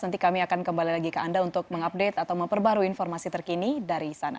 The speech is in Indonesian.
nanti kami akan kembali lagi ke anda untuk mengupdate atau memperbarui informasi terkini dari sana